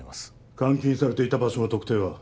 監禁されていた場所の特定は？